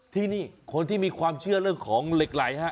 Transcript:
ที่นี่คนที่มีความเชื่อเรื่องของเหล็กไหลฮะ